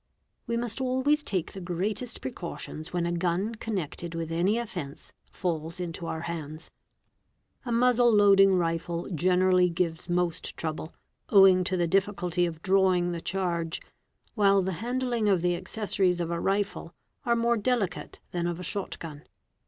We must always take the greatest precautions when a gun connected — with any offence falls into our hands. A muzzle loading rifle generally gives most trouble, owing to the difficulty of drawing the charge, while — the handling of the accessories of a rifle are more delicate than of a shot — gun.